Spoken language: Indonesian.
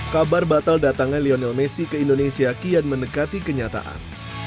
kabar batal datangnya lionel messi ke indonesia kian mendekati kenyataan